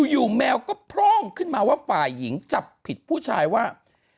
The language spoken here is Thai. แมวก็โพร่งขึ้นมาว่าฝ่ายหญิงจับผิดผู้ชายว่า